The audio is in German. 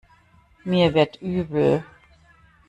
Mir wird übel.